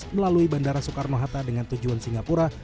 melalui bandara soekarno hatta dengan tujuan singapura